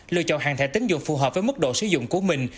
lựa chọn hàng thẻ tính dụng phù hợp với mức độ sử dụng của mình